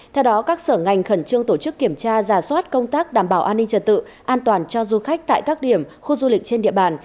theo đó các sở ngành khẩn trương tổ chức kiểm tra giả soát công tác đảm bảo an ninh trật tự an toàn cho du khách tại các điểm khu du lịch trên địa bàn